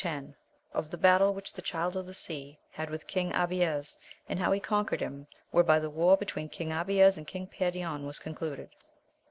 X.— Of the battle which the ChUd of the Sea had with King Abies, and how he conquered him, whereby the war between King Abies and King Perion was concluded.